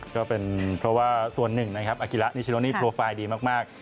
ก็เป็นเพราะว่าส่วนหนึ่งนะครับอากิระนิชโนนี่โปรไฟล์ดีมาก